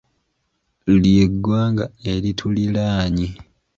Ly'eggwanga erituliraanye.